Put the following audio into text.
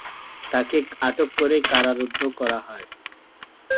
তাকে আটক করে কারারুদ্ধ করা হয়।